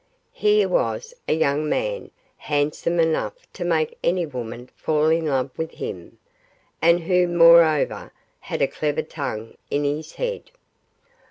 Here was a young man handsome enough to make any woman fall in love with him, and who, moreover, had a clever tongue in his head.